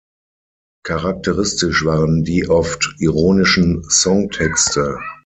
Charakteristisch waren die oft ironischen Songtexte.